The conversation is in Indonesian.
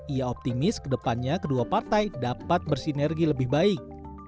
ia optimis kedepannya kedua partai dapat bersinergi lebih baik